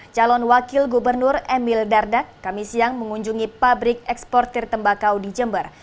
calon wakil gubernur emil dardak kami siang mengunjungi pabrik eksportir tembakau di jember